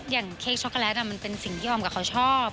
อย่างเค้กช็อคคอลแนทอ่ะมันเป็นสิ่งที่อ๋อเขาชอบ